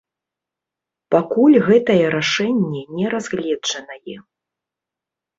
Пакуль гэтае рашэнне не разгледжанае.